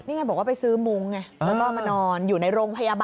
นี่ไงบอกว่าไปซื้อมุ้งไงแล้วก็มานอนอยู่ในโรงพยาบาล